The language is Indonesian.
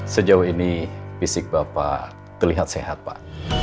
sejauh ini fisik bapak terlihat sehat pak